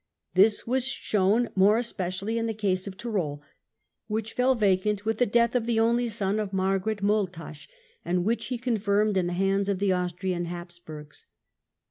This was shown more especially in the case of Great Tyrol, which fell vacant with the death of the only son acquis^* of Margaret Maultasch, and which he confirmed in the tions hands of the Austrian Habsburgs.